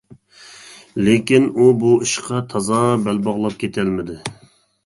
لېكىن ئۇ بۇ ئىشقا تازا بەل باغلاپ كېتەلمىدى.